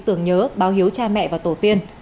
tưởng nhớ báo hiếu cha mẹ và tổ tiên